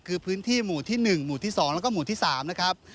คือพื้นที่หมู่ที่๑หมู่ที่๒แล้วก็หมู่ที่๓นะครับ